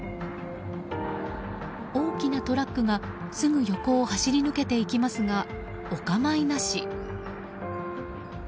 大きなトラックがすぐ横を走り抜けていきますがお構いなし。